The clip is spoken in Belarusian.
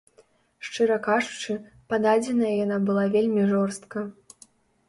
Шчыра кажучы, пададзеная яна была вельмі жорстка.